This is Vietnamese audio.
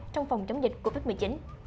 trong phòng chống dịch covid một mươi chín